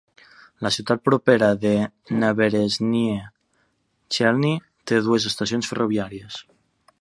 La ciutat propera de Naberezhnye Chelny té dues estacions ferroviàries.